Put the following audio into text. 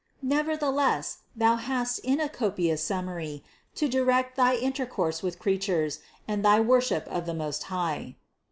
Nevertheless thou hast in it a copious sum mary to direct thy intercourse with creatures and thy worship of the Most High.